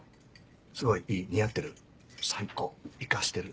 すごいいい似合ってる最高イカしてる。